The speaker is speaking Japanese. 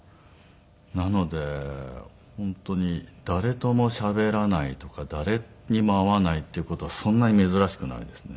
なので本当に誰ともしゃべらないとか誰にも会わないっていう事はそんなに珍しくないですね。